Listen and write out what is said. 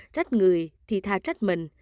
trách người thì tha trách mình